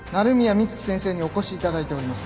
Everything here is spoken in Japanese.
美月先生にお越しいただいております。